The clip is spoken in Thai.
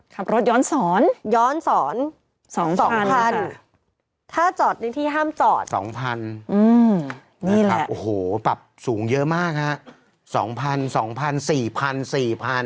ขับรถย้อนสอน๒๐๐๐ค่ะถ้าจอดในที่ห้ามจอด๒๐๐๐ค่ะโอ้โหปรับสูงเยอะมากค่ะ